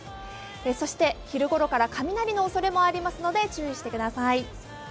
そして昼ごろから雷のおそれもありますので注意してください。